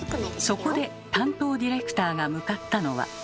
そこで担当ディレクターが向かったのは。